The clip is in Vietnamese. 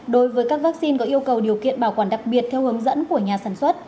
đối với các vaccine có yêu cầu điều kiện bảo quản đặc biệt theo hướng dẫn của nhà sản xuất